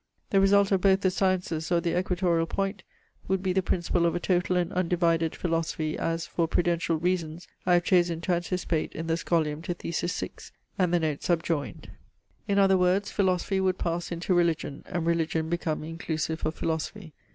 The result of both the sciences, or their equatorial point, would be the principle of a total and undivided philosophy, as, for prudential reasons, I have chosen to anticipate in the Scholium to Thesis VI and the note subjoined. In other words, philosophy would pass into religion, and religion become inclusive of philosophy.